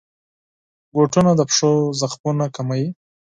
بوټونه د پښو زخمونه کموي.